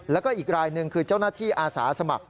แล้วก็อีกรายหนึ่งคือเจ้าหน้าที่อาสาสมัคร